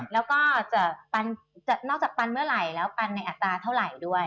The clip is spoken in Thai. แล้วก็จะนอกจากปันเมื่อไหร่แล้วปันในอัตราเท่าไหร่ด้วย